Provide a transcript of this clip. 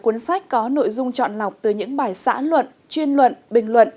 giữ lửa là cuốn sách có nội dung chọn lọc từ những bài xã luận chuyên luận bình luận